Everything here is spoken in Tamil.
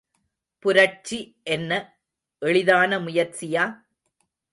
புரட்சி என்ன எளிதான முயற்சியா?